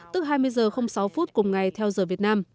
tức hai mươi h sáu phút cùng ngày theo giờ việt nam